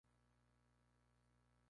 Ambas series se graban en Atlanta.